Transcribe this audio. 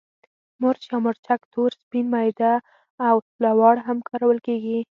مرچ یا مرچک تور، سپین، میده او لواړ هم کارول کېږي.